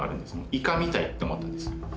イカみたいって思ったんです。